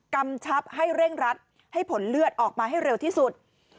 กำชับให้เร่งรัดให้ผลเลือดออกมาให้เร็วที่สุด